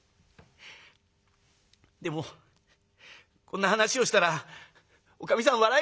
「でもこんな話をしたらおかみさん笑いますから」。